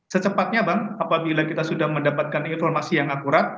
secepatnya bang apabila kita sudah mendapatkan informasi yang akurat